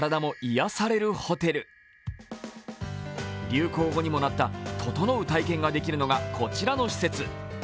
流行語にもなったととのう体験ができるのがこちらの施設。